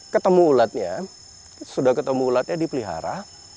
ketemu ulatnya sudah ketemu ulatnya dipelihara